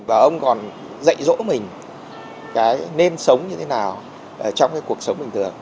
và ông còn dạy dỗ mình cái nên sống như thế nào trong cái cuộc sống bình thường